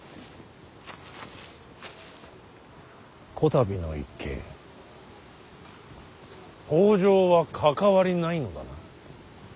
こたびの一件北条は関わりないのだな。